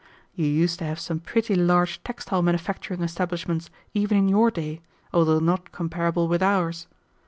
"You used to have some pretty large textile manufacturing establishments, even in your day, although not comparable with ours.